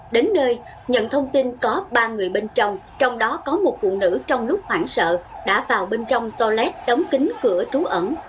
đến nơi nhận thông tin có ba người bên trong trong đó có một phụ nữ trong lúc hoảng sợ đã vào bên trong to lét đóng kính cửa trú ẩn